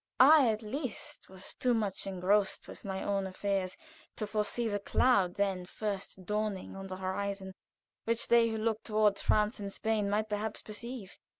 I at least was too much engrossed with my own affairs to foresee the cloud then first dawning on the horizon, which they who looked toward France and Spain might perhaps perceive.